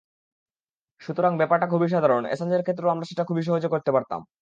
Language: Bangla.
সুতরাং ব্যাপারটা খুবই সাধারণ, অ্যাসাঞ্জের ক্ষেত্রেও আমরা সেটা খুব সহজেই করতে পারতাম।